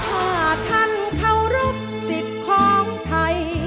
ถ้าท่านเคารพสิทธิ์ของไทย